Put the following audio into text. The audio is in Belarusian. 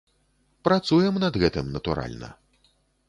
Працуем над гэтым, натуральна!